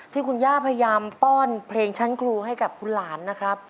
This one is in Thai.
ที่คุณย่าพยายามป้อนเพลงชั้นครูให้กับคุณหลานนะครับ